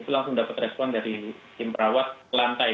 itu langsung dapat respon dari tim perawat lantai